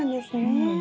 うん！